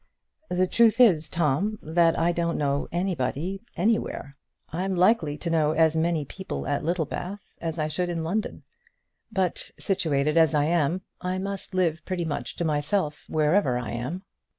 "The truth is, Tom, that I don't know anybody anywhere. I'm likely to know as many people at Littlebath as I should in London. But situated as I am, I must live pretty much to myself wherever I am."